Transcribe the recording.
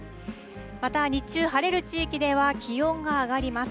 また、日中、晴れる地域では気温が上がります。